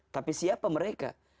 tapi siapa mereka